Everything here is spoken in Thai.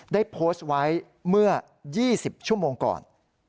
ได้โพสต์ไว้เมื่อ๒๐ชั่วโมงก่อน